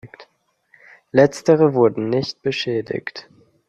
Letztere wurden nicht beschädigt.